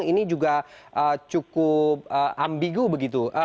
ini juga cukup ambigu begitu